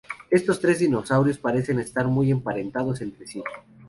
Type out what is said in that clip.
Estos tres dinosaurios parecen estar muy emparentados entre sí.